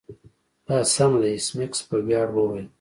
دا سمه ده ایس میکس په ویاړ وویل